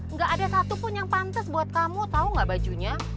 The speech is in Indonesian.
nggak ada satupun yang pantas buat kamu tau gak bajunya